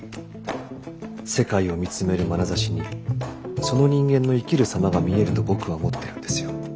世界を見つめるまなざしにその人間の生きる様が見えると僕は思ってるんですよ。